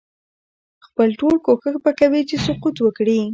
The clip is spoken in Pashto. خپل ټول کوښښ به کوي چې سقوط وکړي.